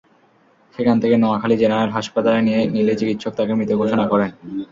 সেখান থেকে নোয়াখালী জেনারেল হাসপাতালে নিলে চিকিৎসক তাঁকে মৃত ঘোষণা করেন।